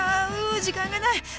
う時間がない！